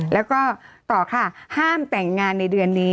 แล้วก็ต่อค่ะห้ามแต่งงานในเดือนนี้